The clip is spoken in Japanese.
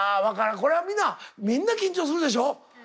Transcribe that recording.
これはみんなみんな緊張するでしょ？